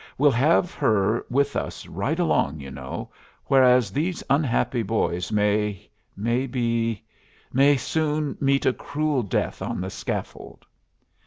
We'll have her with us right along, you know, whereas these unhappy boys may may be may soon meet a cruel death on the scaffold."